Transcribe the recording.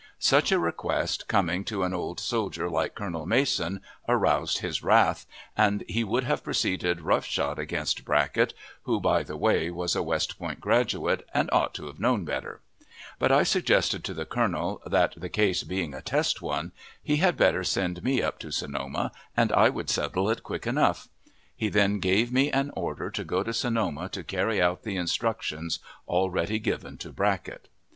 Such a request, coming to an old soldier like Colonel Mason, aroused his wrath, and he would have proceeded rough shod against Brackett, who, by the way, was a West Point graduate, and ought to have known better; but I suggested to the colonel that, the case being a test one, he had better send me up to Sonoma, and I would settle it quick enough. He then gave me an order to go to Sonoma to carry out the instructions already given to Brackett.